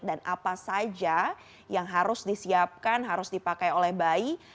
dan apa saja yang harus disiapkan harus dipakai oleh bayi